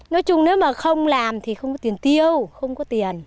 nói chung nếu mà không làm thì không có tiền tiêu không có tiền